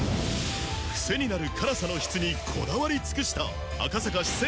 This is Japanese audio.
クセになる辛さの質にこだわり尽くした赤坂四川